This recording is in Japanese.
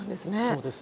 そうです。